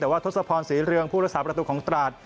แต่ว่าทศพรศรีเรืองผู้รักษาประตูของตราด